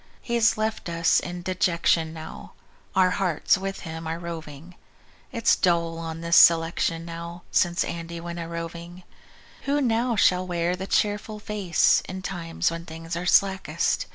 He's left us in dejection now; Our hearts with him are roving. It's dull on this selection now, Since Andy went a droving. Who now shall wear the cheerful face In times when things are slackest?